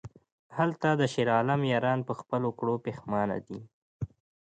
هلته د شیرعالم یاران په خپلو کړو پښیمانه دي...